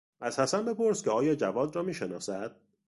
از حسن بپرس که آیا جواد را میشناسد.